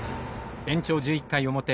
延長１１回表。